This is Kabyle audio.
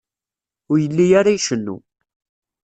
Ur yelli ara icennu.